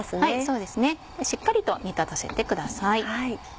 そうですねしっかりと煮立たせてください。